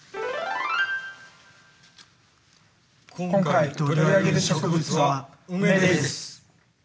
今回取り上げる植物はウメです。